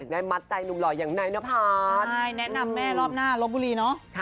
คือใบเฟิร์นเขาเป็นคนที่อยู่กับใครก็ได้ค่ะแล้วก็ตลกด้วย